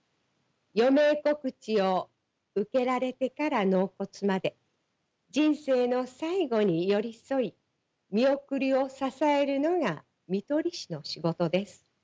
余命告知を受けられてから納骨まで人生の最期に寄り添い見送りを支えるのが看取り士の仕事です。